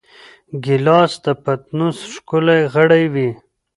ګیلاس د پتنوس ښکلی غړی وي.